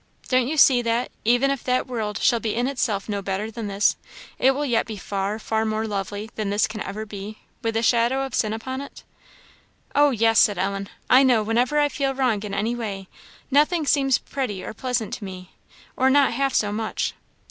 Don't you see that, even if that world shall be in itself no better than this, it will yet be far, far more lovely than this can ever be, with the shadow of sin upon it?" "Oh, yes!" said Ellen. "I know, whenever I feel wrong in any way, nothing seems pretty or pleasant to me, or not half so much."